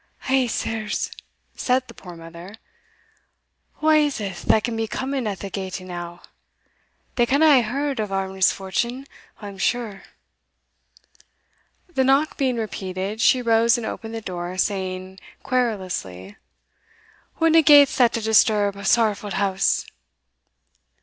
"Hegh, sirs!" said the poor mother, "wha is that can be coming in that gate e'enow? They canna hae heard o' our misfortune, I'm sure." The knock being repeated, she rose and opened the door, saying querulously, "Whatna gait's that to disturb a sorrowfu' house?"